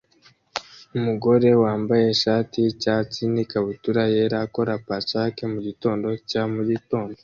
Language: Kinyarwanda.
Umugabo wambaye ishati yicyatsi nikabutura yera akora pancake mugitondo cya mugitondo